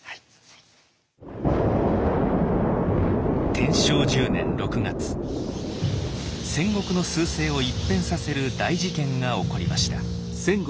天正１０年６月戦国の趨勢を一変させる大事件が起こりました。